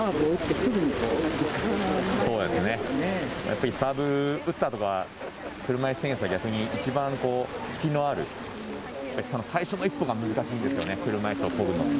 そうですね、サーブ打ったあとが、車いすテニスは、逆に一番隙のある、最初の一歩が難しいんですよね、車いすをこぐのって。